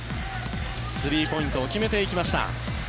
スリーポイントを決めていきました。